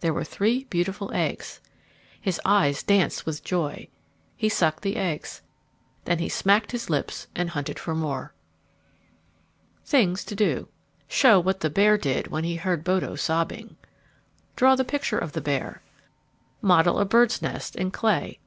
There were three beautiful eggs. His eyes danced with joy. He sucked the eggs. Then he smacked his lips and hunted for more. [Illustration: "There were three beautiful eggs"] THINGS TO DO Show what the bear did when he heard Bodo sobbing. Draw the picture of the bear. _Model a bird's nest in clay.